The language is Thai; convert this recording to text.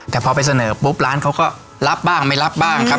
แต่พอไปเสนอปุ๊บร้านเขาก็รับบ้างไม่รับบ้างครับ